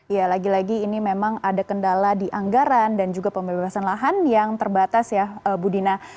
ya lagi lagi ini memang ada kendala di anggaran dan juga pembebasan lahan yang terbatas ya bu dina